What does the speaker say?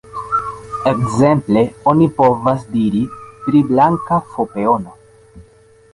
Ekzemple, oni povas diri pri "blanka f-peono".